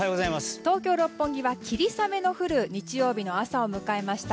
東京・六本木は霧雨の降る日曜日の朝を迎えました。